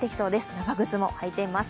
長靴も履いています。